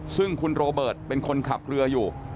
ซึ่งคุณโรเบิร์ตเป็นคนขับเรืออยู่